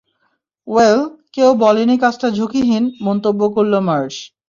Well, কেউ বলেনি কাজটা ঝুঁকিহীন, মন্তব্য করল মার্শ।